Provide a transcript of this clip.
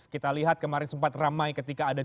kita lihat kemarin sempat ramai ketika ada